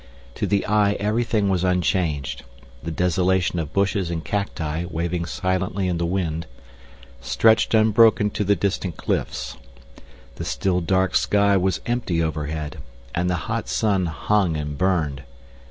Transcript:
To the eye everything was unchanged: the desolation of bushes and cacti waving silently in the wind, stretched unbroken to the distant cliffs, the still dark sky was empty overhead, and the hot sun hung and burned.